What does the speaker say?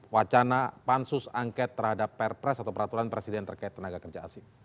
wacana pansus angket terhadap perpres atau peraturan presiden terkait tenaga kerja asing